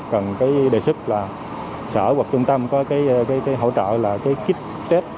cần cái đề sức là sở hoặc trung tâm có cái hỗ trợ là cái kích test